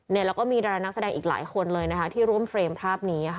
แล้วก็มีดารานักแสดงอีกหลายคนเลยนะคะที่ร่วมเฟรมภาพนี้ค่ะ